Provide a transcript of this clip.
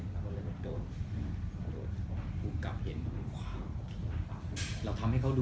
มวยไทยแหละต้องเล่า